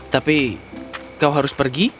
tapi kau harus pergi